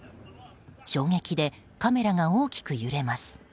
衝撃でカメラが大きく揺れます。